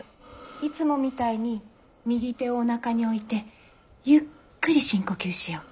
いつもみたいに右手をおなかに置いてゆっくり深呼吸しよ。